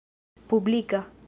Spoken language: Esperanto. publika